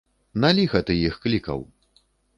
На ліха ты іх клікаў?